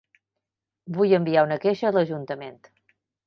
Vull enviar una queixa a l'ajuntament.